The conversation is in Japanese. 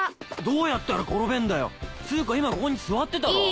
どうやったら転べんだよつうか今ここに座ってたろ。